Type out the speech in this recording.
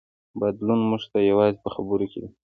بدلون موږ ته یوازې په خبرو کې دی.